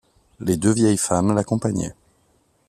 Les deux vieilles femmes l’accompagnaient.